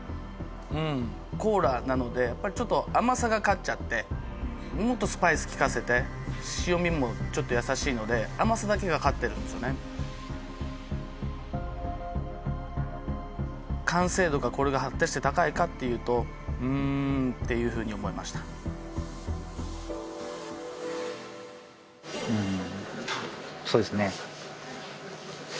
うんコーラなのでやっぱりちょっと甘さが勝っちゃってもっとスパイス効かせて塩みもちょっと優しいので完成度がこれが果たして高いかっていうとうーんっていうふうに思いましたそうですね